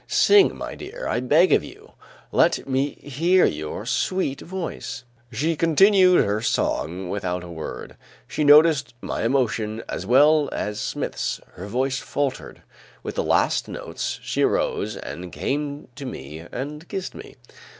"Sing, my dear, I beg of you. Let me hear your sweet voice." She continued her song without a word; she noticed my emotion as well as Smith's; her voice faltered. With the last notes, she arose and came to me and kissed me.